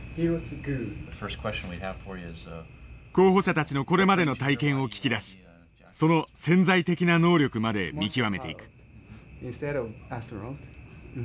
候補者たちのこれまでの体験を聞き出しその潜在的な能力まで見極めていく。